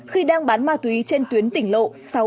khi đang bán ma túy trên tuyến tỉnh lộ